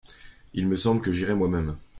Il me semble que j’irais moi-même.